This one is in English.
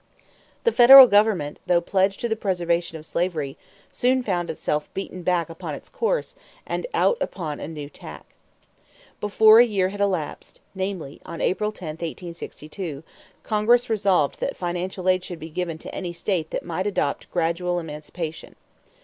The federal government, though pledged to the preservation of slavery, soon found itself beaten back upon its course and out upon a new tack. Before a year had elapsed, namely on April 10, 1862, Congress resolved that financial aid should be given to any state that might adopt gradual emancipation.